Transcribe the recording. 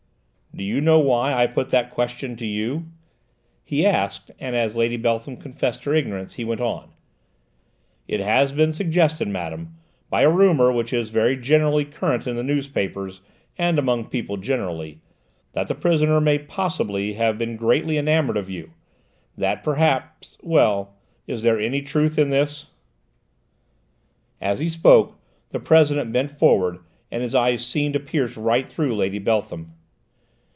"Do you know why I put that question to you?" he asked, and as Lady Beltham confessed her ignorance he went on: "It has been suggested, madame, by a rumour which is very generally current in the newspapers and among people generally, that the prisoner may possibly have been greatly enamoured of you: that perhaps well, is there any truth in this?" As he spoke the President bent forward, and his eyes seemed to pierce right through Lady Beltham.